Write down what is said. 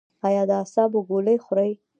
ایا د اعصابو ګولۍ خورئ؟